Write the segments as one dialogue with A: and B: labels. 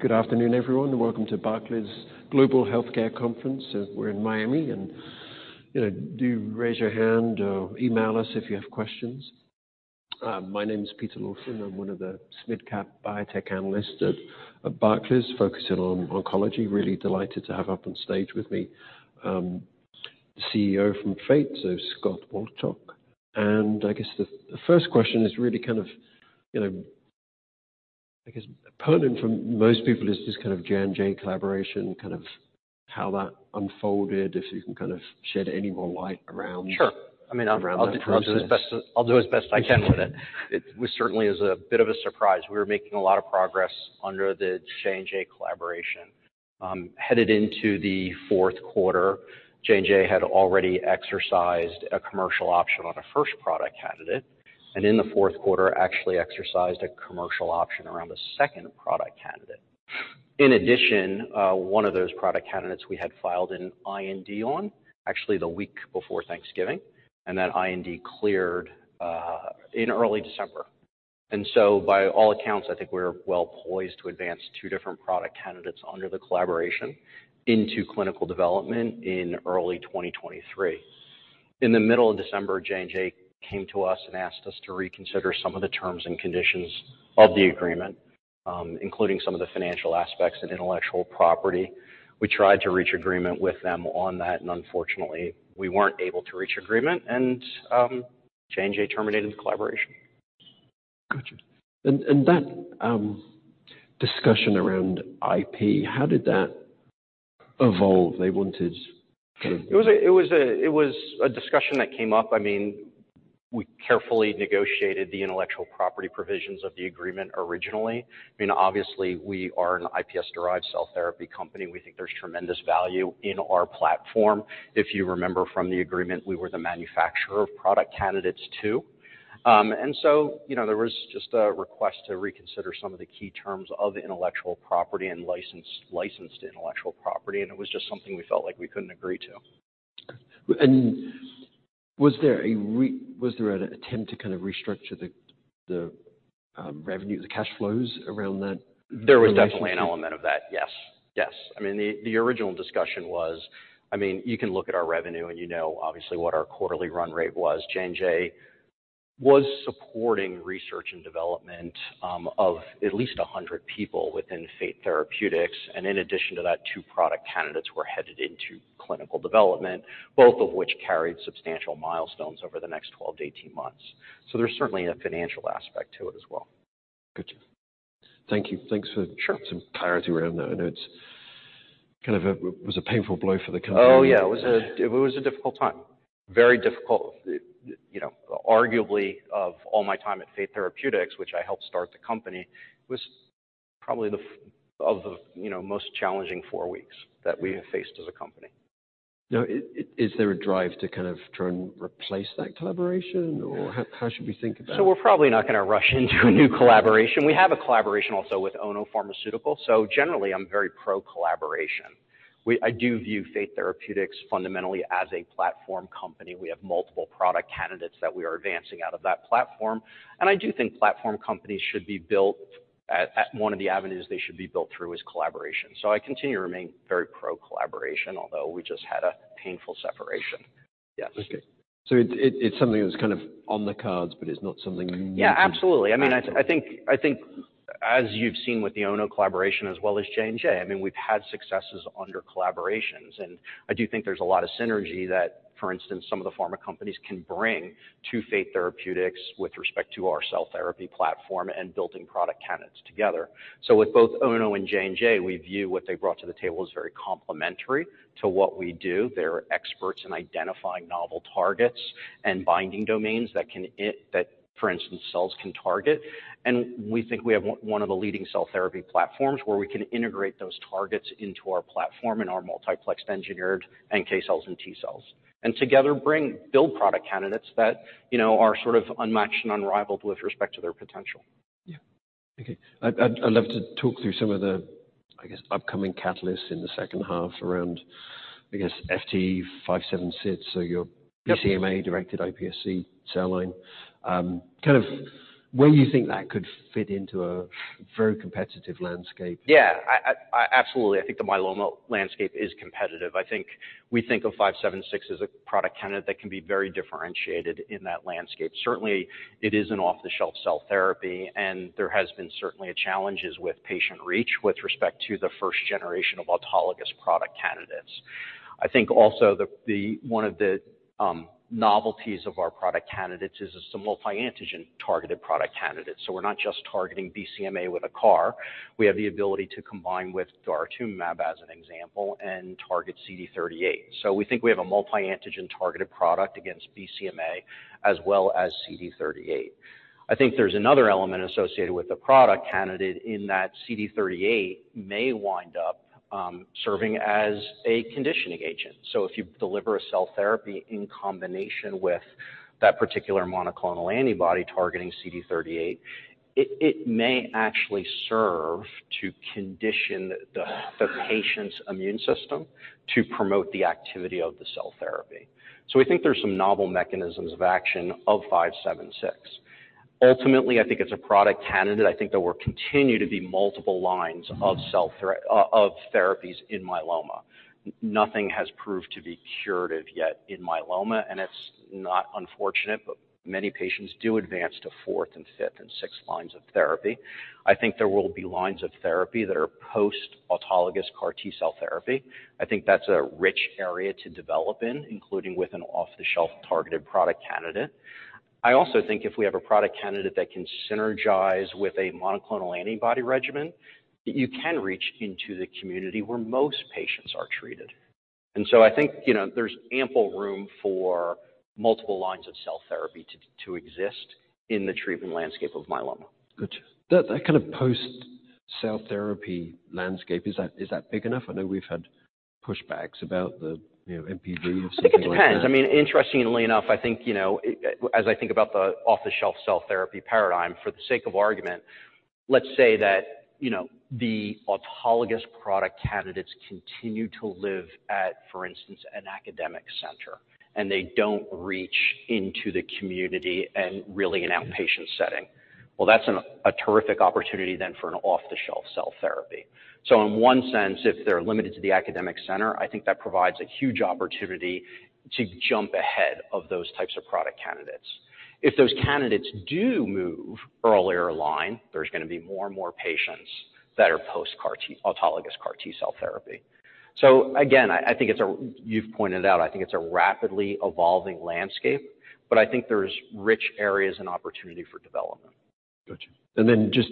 A: Good afternoon, everyone. Welcome to Barclays Global Healthcare Conference. We're in Miami and, you know, do raise your hand or email us if you have questions. My name is Peter Lawson. I'm one of the mid-cap biotech analysts at Barclays focusing on oncology. Really delighted to have up on stage with me, the CEO from Fate, so Scott Wolchko. I guess the first question is really kind of, you know, I guess pertinent for most people is this kind of J&J collaboration, kind of how that unfolded, if you can kind of shed any more light around that process.
B: I mean, I'll do as best I can with it. It was certainly as a bit of a surprise. We were making a lot of progress under the J&J collaboration. Headed into the fourth quarter, J&J had already exercised a commercial option on a first product candidate. In the fourth quarter, actually exercised a commercial option around a second product candidate. In addition, one of those product candidates we had filed an IND on actually the week before Thanksgiving. That IND cleared in early December. By all accounts, I think we're well poised to advance two different product candidates under the collaboration into clinical development in early 2023. In the middle of December, J&J came to us and asked us to reconsider some of the terms and conditions of the agreement, including some of the financial aspects and intellectual property. We tried to reach agreement with them on that, and unfortunately, we weren't able to reach agreement and, J&J terminated the collaboration.
A: Gotcha. That discussion around IP, how did that evolve? They wanted.
B: It was a discussion that came up. I mean, we carefully negotiated the intellectual property provisions of the agreement originally. I mean, obviously, we are an iPSC-derived cell therapy company. We think there's tremendous value in our platform. If you remember from the agreement, we were the manufacturer of product candidates too. You know, there was just a request to reconsider some of the key terms of intellectual property and license, licensed intellectual property, and it was just something we felt like we couldn't agree to.
A: Was there an attempt to kind of restructure the revenue, the cash flows around that?
B: There was definitely an element of that. Yes. Yes. I mean, the original discussion was... I mean, you can look at our revenue and you know, obviously, what our quarterly run rate was. J&J was supporting research and development of at least 100 people within Fate Therapeutics. In addition to that, two product candidates were headed into clinical development, both of which carried substantial milestones over the next 12-18 months. There's certainly a financial aspect to it as well.
A: Gotcha. Thank you. Thanks for some clarity around that. It was a painful blow for the company.
B: Oh, yeah. It was a difficult time. Very difficult. You know, arguably, of all my time at Fate Therapeutics, which I helped start the company, was probably of the, you know, most challenging four weeks that we have faced as a company.
A: Is there a drive to kind of try and replace that collaboration? How should we think about?
B: We're probably not gonna rush into a new collaboration. We have a collaboration also with Ono Pharmaceutical. Generally, I'm very pro-collaboration. I do view Fate Therapeutics fundamentally as a platform company. We have multiple product candidates that we are advancing out of that platform, and I do think platform companies should be built at One of the avenues they should be built through is collaboration. I continue to remain very pro-collaboration, although we just had a painful separation. Yes.
A: It's something that's kind of on the cards, but it's not something you need to act on.
B: Yeah, absolutely. I mean, I think as you've seen with the Ono collaboration as well as J&J, I mean, we've had successes under collaborations, I do think there's a lot of synergy that, for instance, some of the pharma companies can bring to Fate Therapeutics with respect to our cell therapy platform and building product candidates together. With both Ono and J&J, we view what they brought to the table as very complementary to what we do. They're experts in identifying novel targets and binding domains that can that, for instance, cells can target. We think we have one of the leading cell therapy platforms where we can integrate those targets into our platform in our multiplex engineered NK cells and T cells. Together bring build product candidates that, you know, are sort of unmatched and unrivaled with respect to their potential.
A: Yeah. Okay. I'd love to talk through some of the, I guess, upcoming catalysts in the second half around, I guess, FT576. Your BCMA-directed iPSC cell line. Kind of where you think that could fit into a very competitive landscape.
B: I absolutely. I think the myeloma landscape is competitive. I think we think of FT576 as a product candidate that can be very differentiated in that landscape. Certainly, it is an off-the-shelf cell therapy. There has been certainly challenges with patient reach with respect to the first generation of autologous product candidates. I think also the one of the novelties of our product candidates is it's a multi-antigen targeted product candidate. We're not just targeting BCMA with a CAR. We have the ability to combine with daratumumab, as an example, and target CD38. We think we have a multi-antigen targeted product against BCMA as well as CD38. I think there's another element associated with the product candidate in that CD38 may wind up serving as a conditioning agent. If you deliver a cell therapy in combination with that particular monoclonal antibody targeting CD38, it may actually serve to condition the patient's immune system to promote the activity of the cell therapy. We think there's some novel mechanisms of action of FT576. Ultimately, I think it's a product candidate. I think there will continue to be multiple lines of therapies in myeloma. Nothing has proved to be curative yet in myeloma, and it's not unfortunate, but many patients do advance to fourth and fifth and sixth lines of therapy. I think there will be lines of therapy that are post-autologous CAR T-cell therapy. I think that's a rich area to develop in, including with an off-the-shelf targeted product candidate. I also think if we have a product candidate that can synergize with a monoclonal antibody regimen, you can reach into the community where most patients are treated. I think, you know, there's ample room for multiple lines of cell therapy to exist in the treatment landscape of myeloma.
A: Gotcha. That kind of post-cell therapy landscape, is that big enough? I know we've had pushbacks about the, you know, NPV and stuff like that.
B: I think it depends. I mean, interestingly enough, I think, you know, as I think about the off-the-shelf cell therapy paradigm, for the sake of argument, let's say that, you know, the autologous product candidates continue to live at, for instance, an academic center, and they don't reach into the community in really an outpatient setting. Well, that's a terrific opportunity then for an off-the-shelf cell therapy. In one sense, if they're limited to the academic center, I think that provides a huge opportunity to jump ahead of those types of product candidates. If those candidates do move earlier line, there's gonna be more and more patients that are post-autologous CAR T-cell therapy. Again, I think it's a you've pointed out, I think it's a rapidly evolving landscape, but I think there's rich areas and opportunity for development.
A: Gotcha. Just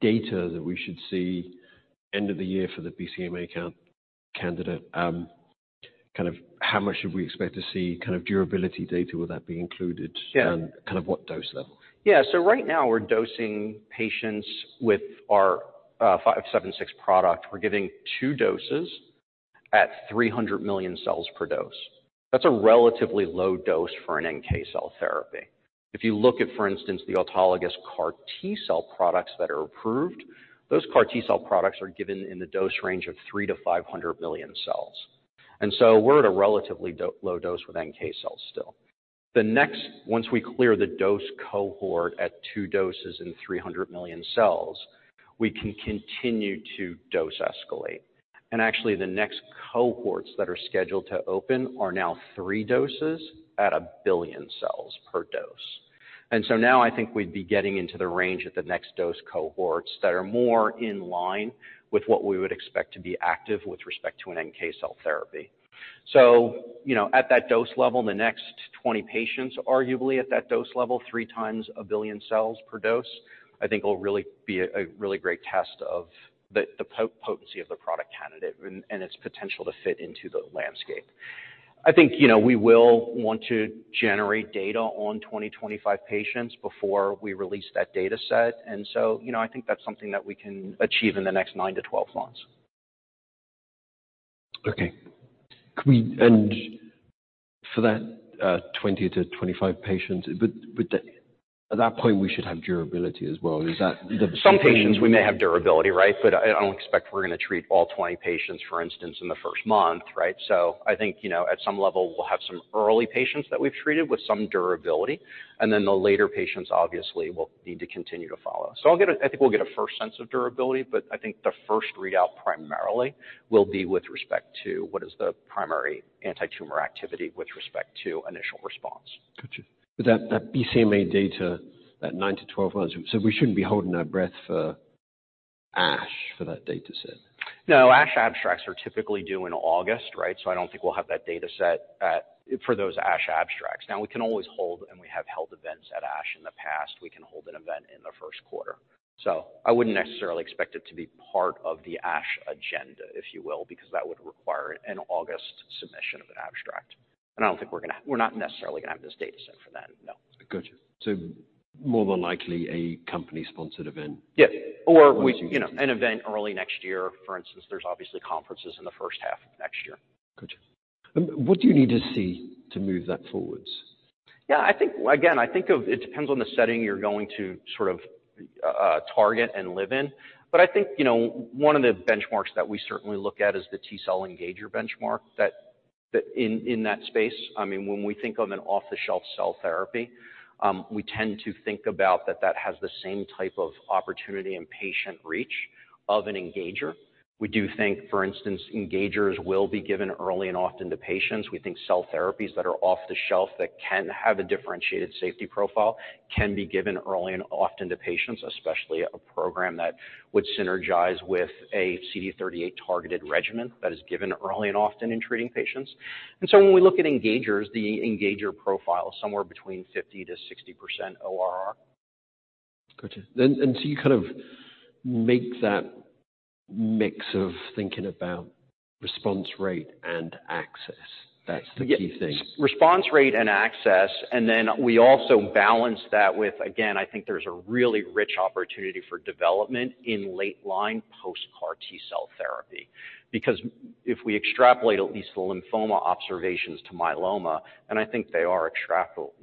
A: data that we should see end of the year for the BCMA count candidate, kind of how much should we expect to see? Kind of durability data, will that be included and kind of what dose level?
B: Right now we're dosing patients with our FT576 product. We're giving two doses at 300 million cells per dose. That's a relatively low dose for an NK cell therapy. If you look at, for instance, the autologous CAR T-cell products that are approved, those CAR T-cell products are given in the dose range of 300 million-500 million cells. We're at a relatively low dose with NK cells still. The next, once we clear the dose cohort at two doses in 300 million cells, we can continue to dose escalate. Actually, the next cohorts that are scheduled to open are now three doses at 1 billion cells per dose. Now I think we'd be getting into the range at the next dose cohorts that are more in line with what we would expect to be active with respect to an NK cell therapy. You know, at that dose level, the next 20 patients, arguably at that dose level, three times a billion cells per dose, I think will really be a really great test of the potency of the product candidate and its potential to fit into the landscape. I think, you know, we will want to generate data on 20-25 patients before we release that data set, and so, you know, I think that's something that we can achieve in the next nine to 12 months.
A: Okay. For that, 20-25 patients, but at that point, we should have durability as well.
B: Some patients we may have durability, right? I don't expect we're gonna treat all 20 patients, for instance, in the first month, right? I think, you know, at some level, we'll have some early patients that we've treated with some durability, and then the later patients obviously will need to continue to follow. I think we'll get a first sense of durability, but I think the first readout primarily will be with respect to what is the primary antitumor activity with respect to initial response.
A: Gotcha. With that BCMA data, that nine-12 months, we shouldn't be holding our breath for ASH for that data set?
B: No. ASH abstracts are typically due in August, right? I don't think we'll have that data set at, for those ASH abstracts. Now, we can always hold, and we have held events at ASH in the past. We can hold an event in the first quarter. I wouldn't necessarily expect it to be part of the ASH agenda, if you will, because that would require an August submission of an abstract. I don't think We're not necessarily gonna have this data set for then, no.
A: Gotcha. More than likely a company-sponsored event.
B: Yeah. We, you know, an event early next year. For instance, there's obviously conferences in the first half of next year.
A: Gotcha. What do you need to see to move that forwards?
B: I think, again, I think of it depends on the setting you're going to sort of target and live in. I think, you know, one of the benchmarks that we certainly look at is the T-cell engager benchmark that in that space, I mean, when we think of an off-the-shelf cell therapy, we tend to think about that has the same type of opportunity and patient reach of an engager. We do think, for instance, engagers will be given early and often to patients. We think cell therapies that are off-the-shelf that can have a differentiated safety profile can be given early and often to patients, especially a program that would synergize with a CD38 targeted regimen that is given early and often in treating patients. When we look at engagers, the engager profile is somewhere between 50%-60% ORR.
A: Gotcha. You kind of make that mix of thinking about response rate and access. That's the key thing.
B: Response rate and access, we also balance that with. I think there's a really rich opportunity for development in late-line post-CAR T-cell therapy. If we extrapolate at least the lymphoma observations to myeloma, I think they are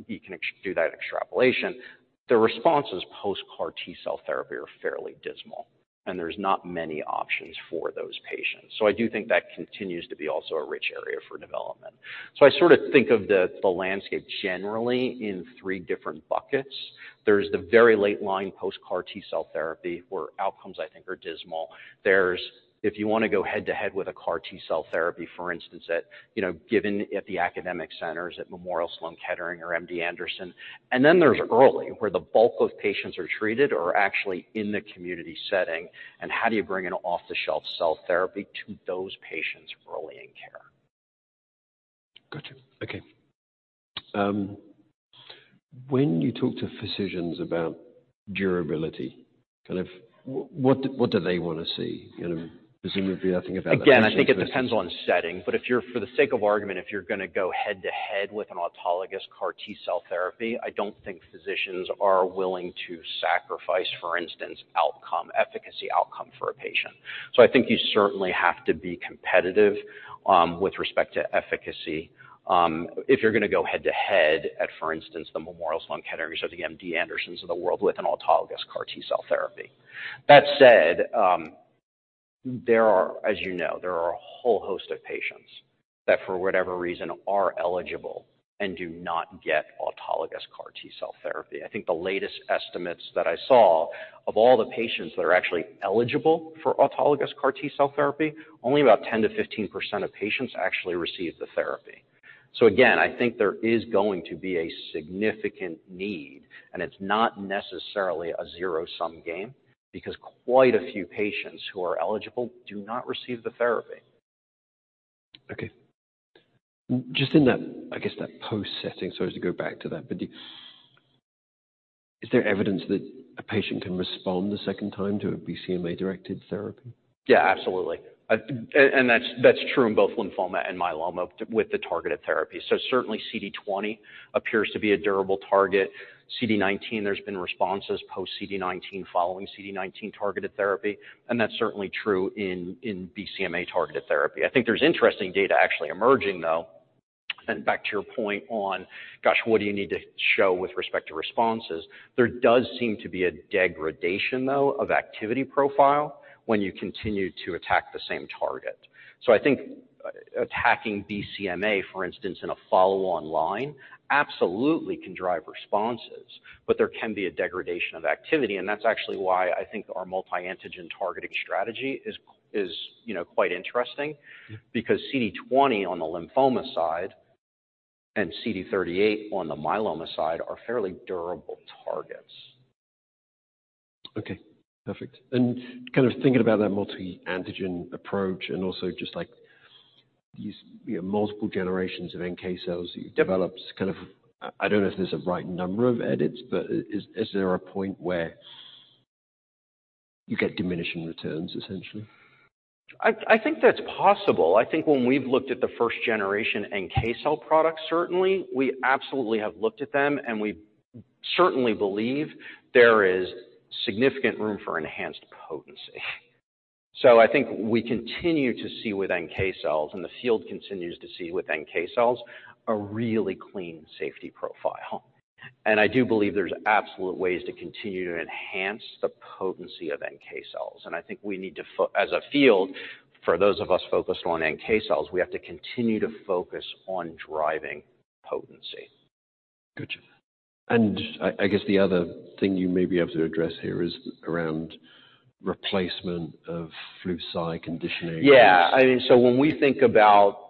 B: you can do that extrapolation, the responses post-CAR T-cell therapy are fairly dismal, there's not many options for those patients. I do think that continues to be also a rich area for development. I sort of think of the landscape generally in three different buckets. There's the very late line post-CAR T-cell therapy, where outcomes I think are dismal. There's if you wanna go head-to-head with a CAR T-cell therapy, for instance, at, you know, given at the academic centers at Memorial Sloan Kettering or MD Anderson. There's early, where the bulk of patients are treated or actually in the community setting, and how do you bring an off-the-shelf cell therapy to those patients early in care?
A: Gotcha. Okay. When you talk to physicians about durability, kind of, what do they wanna see? You know, presumably nothing about.
B: I think it depends on setting, but for the sake of argument, if you're gonna go head-to-head with an autologous CAR T-cell therapy, I don't think physicians are willing to sacrifice, for instance, outcome, efficacy outcome for a patient. I think you certainly have to be competitive with respect to efficacy if you're gonna go head-to-head at, for instance, the Memorial Sloan Kettering or the MD Andersons of the world with an autologous CAR T-cell therapy. That said, there are, as you know, there are a whole host of patients that, for whatever reason, are eligible and do not get autologous CAR T-cell therapy. I think the latest estimates that I saw of all the patients that are actually eligible for autologous CAR T-cell therapy, only about 10%-15% of patients actually receive the therapy. Again, I think there is going to be a significant need, and it's not necessarily a zero-sum game because quite a few patients who are eligible do not receive the therapy.
A: Okay. Just in that, I guess that post setting, sorry to go back to that, but is there evidence that a patient can respond the second time to a BCMA-directed therapy?
B: Yeah, absolutely. And that's true in both lymphoma and myeloma with the targeted therapy. Certainly CD20 appears to be a durable target. CD19, there's been responses post-CD19 following CD19-targeted therapy, and that's certainly true in BCMA-targeted therapy. I think there's interesting data actually emerging, though, and back to your point on, gosh, what do you need to show with respect to responses? There does seem to be a degradation though of activity profile when you continue to attack the same target. I think attacking BCMA, for instance, in a follow-on line absolutely can drive responses, but there can be a degradation of activity, and that's actually why I think our multi-antigen targeting strategy is, you know, quite interesting because CD20 on the lymphoma side and CD38 on the myeloma side are fairly durable targets.
A: Okay. Perfect. Kind of thinking about that multi-antigen approach and also just like these, you know, multiple generations of NK cells you've developed kind of, I don't know if there's a right number of edits but is there a point where you get diminishing returns essentially?
B: I think that's possible. I think when we've looked at the first generation NK cell products, certainly, we absolutely have looked at them, and we certainly believe there is significant room for enhanced potency. I think we continue to see with NK cells, and the field continues to see with NK cells, a really clean safety profile. I do believe there's absolute ways to continue to enhance the potency of NK cells, and I think we need to as a field, for those of us focused on NK cells, we have to continue to focus on driving potency.
A: Gotcha. I guess the other thing you may be able to address here is around replacement of Flu/Cy conditioning.
B: Yeah. I mean, so when we think about...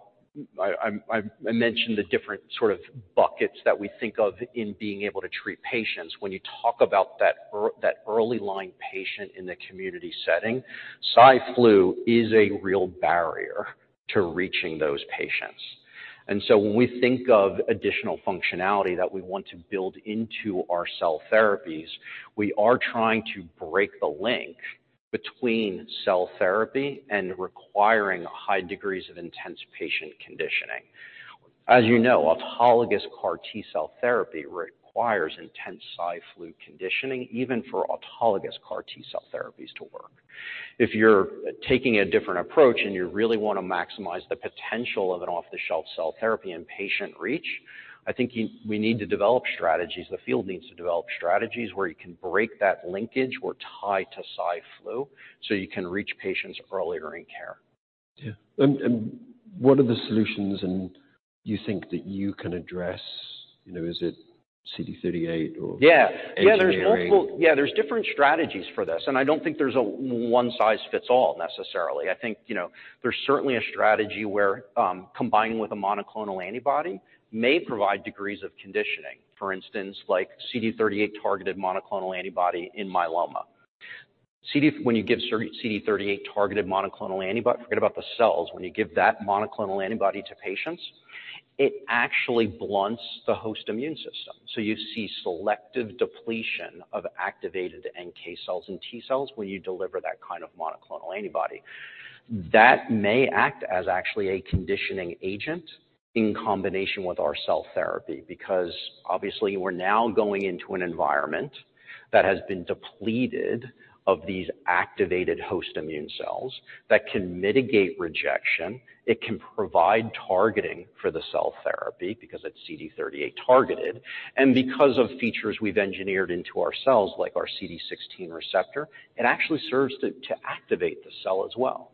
B: I mentioned the different sort of buckets that we think of in being able to treat patients. When you talk about that ear, that early line patient in the community setting, Cy/Flu is a real barrier to reaching those patients. When we think of additional functionality that we want to build into our cell therapies, we are trying to break the link between cell therapy and requiring high degrees of intense patient conditioning. As you know, autologous CAR T-cell therapy requires intense Cy/Flu conditioning, even for autologous CAR T-cell therapies to work. If you're taking a different approach, and you really wanna maximize the potential of an off-the-shelf cell therapy and patient reach, I think you, we need to develop strategies. The field needs to develop strategies where you can break that linkage or tie to Cy/Flu, so you can reach patients earlier in care.
A: Yeah. What are the solutions and you think that you can address? You know, is it CD38 or engineering?
B: Yeah. There's different strategies for this, and I don't think there's a one-size-fits-all necessarily. I think, you know, there's certainly a strategy where combining with a monoclonal antibody may provide degrees of conditioning. For instance, like CD38-targeted monoclonal antibody in myeloma. When you give CD38-targeted monoclonal antibody, forget about the cells. When you give that monoclonal antibody to patients, it actually blunts the host immune system. You see selective depletion of activated NK cells and T cells when you deliver that kind of monoclonal antibody. That may act as actually a conditioning agent in combination with our cell therapy because, obviously, we're now going into an environment that has been depleted of these activated host immune cells that can mitigate rejection. It can provide targeting for the cell therapy because it's CD38-targeted, and because of features we've engineered into our cells, like our CD16 receptor, it actually serves to activate the cell as well.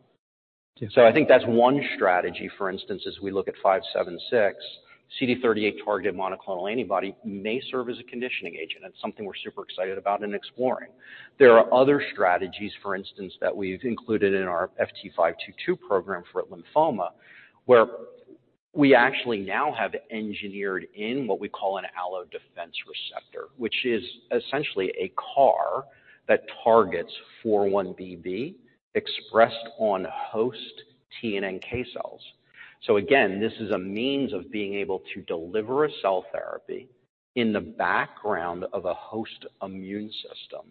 B: I think that's one strategy, for instance, as we look at FT576, CD38-targeted monoclonal antibody may serve as a conditioning agent. That's something we're super excited about and exploring. There are other strategies, for instance, that we've included in our FT522 program for lymphoma, where we actually now have engineered in what we call an Alloimmune Defense Receptor, which is essentially a CAR that targets 4-1BB expressed on host T and NK cells. Again, this is a means of being able to deliver a cell therapy in the background of a host immune system,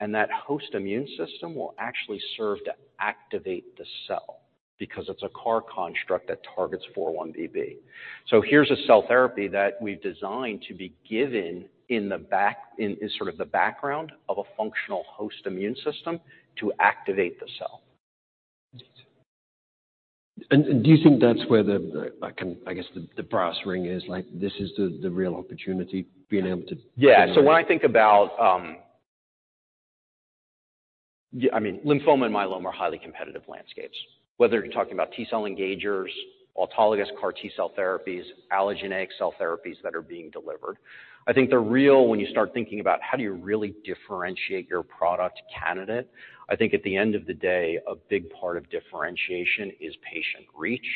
B: and that host immune system will actually serve to activate the cell because it's a CAR construct that targets 4-1BB. Here's a cell therapy that we've designed to be given in the background of a functional host immune system to activate the cell.
A: Do you think that's where the, like I guess the brass ring is? Like this is the real opportunity being able to generate?
B: When I think about, I mean, lymphoma and myeloma are highly competitive landscapes, whether you're talking about T-cell engagers, autologous CAR T-cell therapies, allogeneic cell therapies that are being delivered. I think the real... When you start thinking about how do you really differentiate your product candidate, I think at the end of the day, a big part of differentiation is patient reach,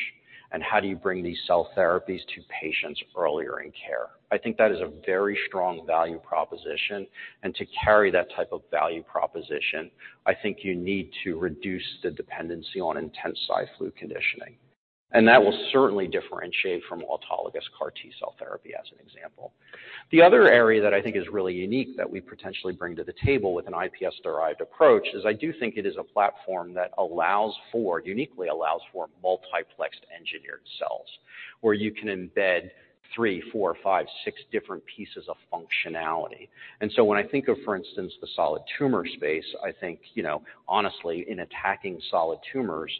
B: and how do you bring these cell therapies to patients earlier in care? I think that is a very strong value proposition, to carry that type of value proposition, I think you need to reduce the dependency on intense Cy/Flu conditioning. That will certainly differentiate from autologous CAR T-cell therapy as an example. The other area that I think is really unique that we potentially bring to the table with an iPSC-derived approach is I do think it is a platform that allows for, uniquely allows for multiplex engineered cells, where you can embed three, four, five, six different pieces of functionality. When I think of, for instance, the solid tumor space, I think, you know, honestly, in attacking solid tumors,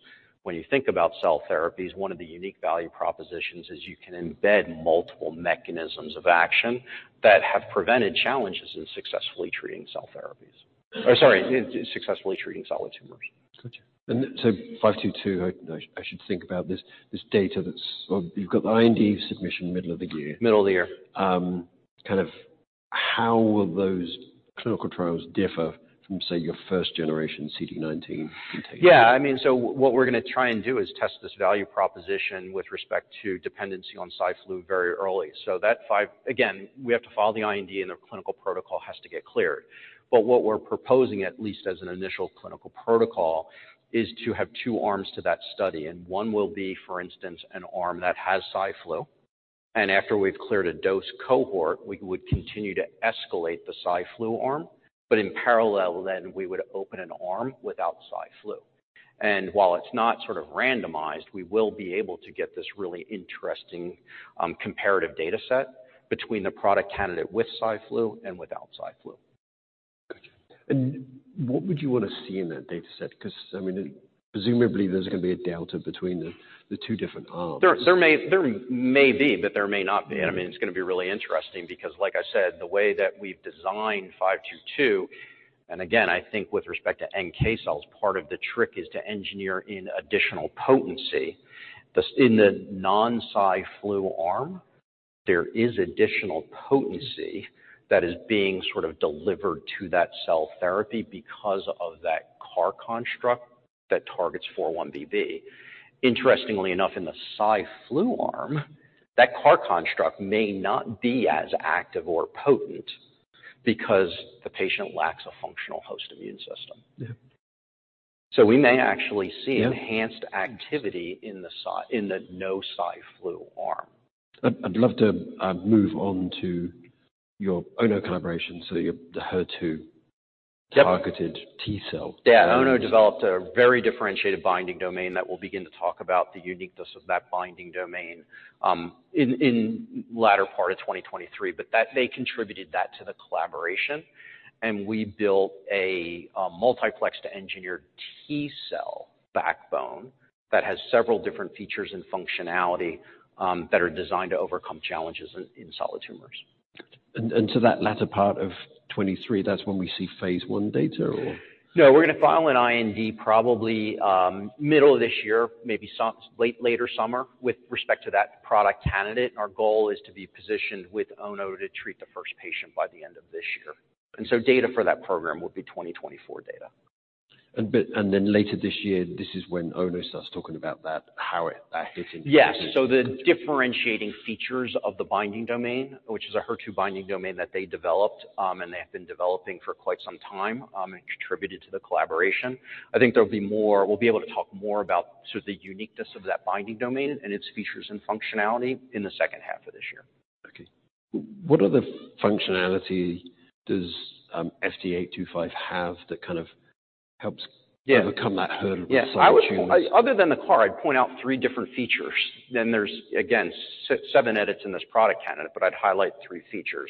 B: when you think about cell therapies, one of the unique value propositions is you can embed multiple mechanisms of action that have prevented challenges in successfully treating cell therapies. Oh, sorry, in successfully treating solid tumors.
A: Gotcha. FT522, I should think about this data. You've got the IND submission middle of the year.
B: Middle of the year.
A: Kind of how will those clinical trials differ from, say, your first generation CD19 integrated?
B: Yeah, I mean, what we're gonna try and do is test this value proposition with respect to dependency on Cy/Flu very early. Again, we have to file the IND, and their clinical protocol has to get cleared. What we're proposing, at least as an initial clinical protocol, is to have two arms to that study. One will be, for instance, an arm that has Cy/Flu. After we've cleared a dose cohort, we would continue to escalate the Cy/Flu arm. In parallel then, we would open an arm without Cy/Flu. While it's not sort of randomized, we will be able to get this really interesting comparative data set between the product candidate with Cy/Flu and without Cy/Flu.
A: Gotcha. What would you wanna see in that data set? 'Cause, I mean, presumably there's gonna be a delta between the two different arms.
B: There may be, but there may not be. I mean, it's gonna be really interesting because, like I said, the way that we've designed FT522, and again, I think with respect to NK cells, part of the trick is to engineer in additional potency. In the non-Cy/Flu arm, there is additional potency that is being sort of delivered to that cell therapy because of that CAR construct that targets 4-1BB. Interestingly enough, in the Cy/Flu arm, that CAR construct may not be as active or potent because the patient lacks a functional host immune system. We may actually see enhanced activity in the no-Cy/Flu arm.
A: I'd love to move on to your Ono collaboration, so the HER2 targeted T-cell.
B: Yeah. Ono developed a very differentiated binding domain that we'll begin to talk about the uniqueness of that binding domain, in latter part of 2023. They contributed that to the collaboration, and we built a multiplex to engineer T-cell backbone that has several different features and functionality, that are designed to overcome challenges in solid tumors.
A: That latter part of 2023, that's when we see phase I data or?
B: No. We're gonna file an IND probably, middle of this year, maybe later summer with respect to that product candidate. Our goal is to be positioned with Ono to treat the first patient by the end of this year. Data for that program would be 2024 data.
A: Later this year, this is when Ono starts talking about that, how it that hitting patients?
B: Yes. The differentiating features of the binding domain, which is a HER2 binding domain that they developed, and they have been developing for quite some time, and contributed to the collaboration. I think we'll be able to talk more about sort of the uniqueness of that binding domain and its features and functionality in the second half of this year.
A: Okay. What other functionality does FT825 have that kind of helps overcome that hurdle with solid tumors?
B: Yeah. I would. Other than the CAR, I'd point out three different features. There's, again seven edits in this product candidate, but I'd highlight three features.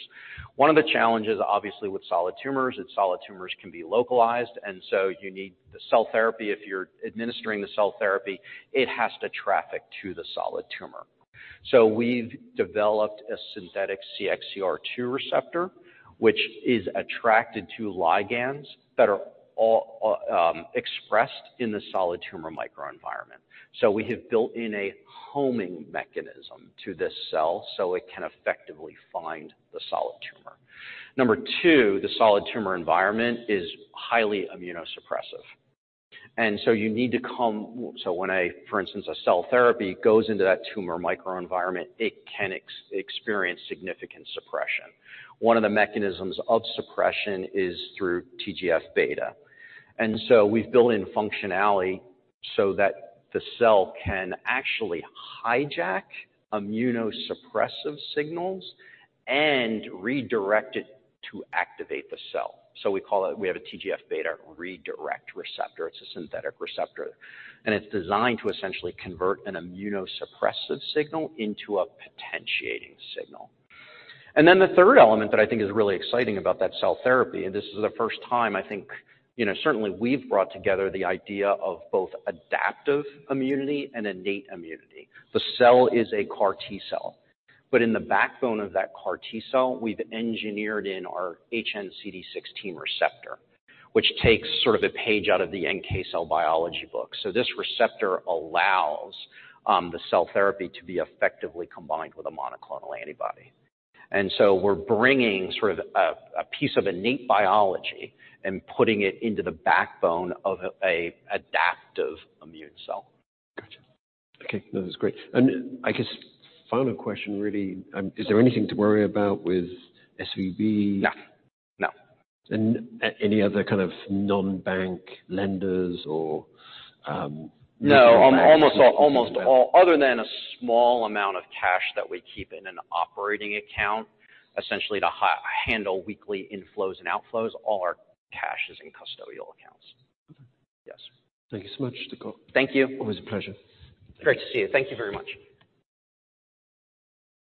B: One of the challenges, obviously, with solid tumors is solid tumors can be localized, you need the cell therapy. If you're administering the cell therapy, it has to traffic to the solid tumor. We've developed a synthetic CXCR2 receptor, which is attracted to ligands that are all expressed in the solid tumor microenvironment. We have built in a homing mechanism to this cell so it can effectively find the solid tumor. Number two, the solid tumor environment is highly immunosuppressive. You need to come. So when a, for instance, a cell therapy goes into that tumor microenvironment, it can experience significant suppression. One of the mechanisms of suppression is through TGF-beta. We've built in functionality so that the cell can actually hijack immunosuppressive signals and redirect it to activate the cell. We have a TGF-beta redirect receptor. It's a synthetic receptor, and it's designed to essentially convert an immunosuppressive signal into a potentiating signal. The third element that I think is really exciting about that cell therapy, and this is the first time I think, you know, certainly we've brought together the idea of both adaptive immunity and innate immunity. The cell is a CAR T-cell, but in the backbone of that CAR T-cell, we've engineered in our hnCD16 receptor, which takes sort of a page out of the NK cell biology book. This receptor allows the cell therapy to be effectively combined with a monoclonal antibody. We're bringing sort of a piece of innate biology and putting it into the backbone of a adaptive immune cell.
A: Gotcha. Okay. No, that's great. I guess final question, really, is there anything to worry about with SVB?
B: No. No.
A: Any other kind of non-bank lenders?
B: No. Almost all other than a small amount of cash that we keep in an operating account, essentially to handle weekly inflows and outflows, all our cash is in custodial accounts.
A: Okay.
B: Yes.
A: Thank you so much, Mr. Scott.
B: Thank you.
A: Always a pleasure.
B: Great to see you. Thank Thank you very much.